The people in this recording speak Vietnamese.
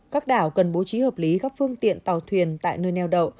các đảo cần bố trí hợp lý các phương tiện tàu thuyền tại nơi neo đậu